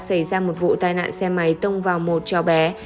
xảy ra một vụ tai nạn xe máy tông vào một cháu bé